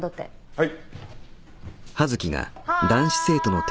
はい。